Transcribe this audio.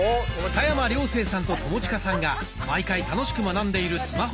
田山涼成さんと友近さんが毎回楽しく学んでいるスマホ講座。